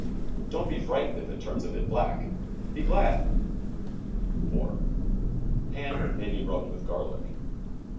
Don't be frightened if it turns a bit black — be glad. 4. Pan may be rubbed with garlic.